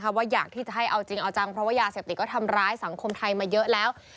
ว่าอยากที่จะให้เอาจริงเอาจังเพราะว่ายาเสพติดก็ทำร้ายสังคมไทยมาเยอะแล้ว